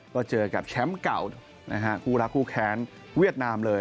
ก็เจอกับแชมป์เก่านะฮะคู่รักคู่แค้นเวียดนามเลย